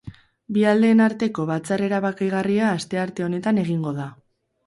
Bi aldeen arteko batzar erabakigarria astearte honetan egingo da.